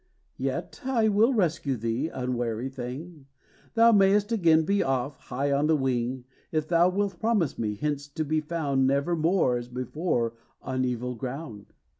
Yet, I will rescue thee, Unwary thing! Thou may'st again be off, High on the wing, If thou wilt promise me, Hence to be found Never more, as before, On evil ground.